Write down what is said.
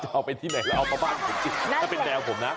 เอาไปที่ไหนเอาไปบ้านถ้าเป็นแดวผมนะ